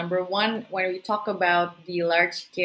pertama ketika kita membicarakan